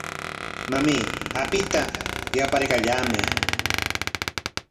Mamay, apita yaparkallamay.